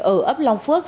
ở ấp long phước